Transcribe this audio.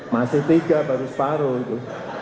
masih tiga baru separuh itu